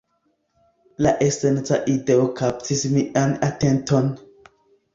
La esenca ideo kaptis mian atenton